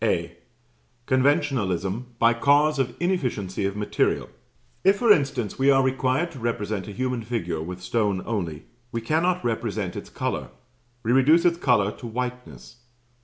(A.) Conventionalism by cause of inefficiency of material. If, for instance, we are required to represent a human figure with stone only, we cannot represent its colour; we reduce its colour to whiteness.